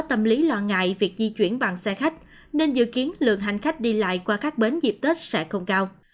tâm lý lo ngại việc di chuyển bằng xe khách nên dự kiến lượng hành khách đi lại qua các bến dịp tết sẽ không cao